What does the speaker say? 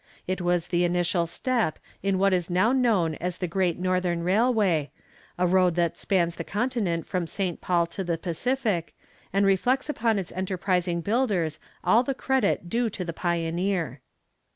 It was the initial step in what is now known as the Great Northern Railway, a road that spans the continent from St. Paul to the Pacific, and reflects upon its enterprising builders all the credit due to the pioneer.